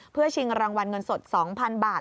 เพื่อชิงรางวัลเงินสด๒๐๐๐บาท